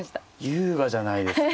優雅じゃないですか。